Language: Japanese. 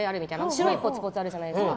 白いぽつぽつあるじゃないですか。